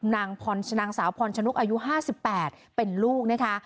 นางสาวพรชนุกอายุห้าสิบแปดเป็นลูกนะคะ